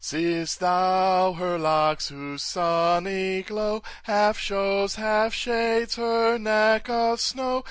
Seest thou her locks, whose sunny glow Half shows, half shades, her neck of snow?